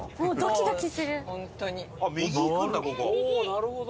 なるほど。